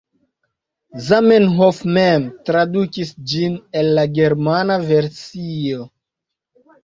Zamenhof mem tradukis ĝin el la germana versio.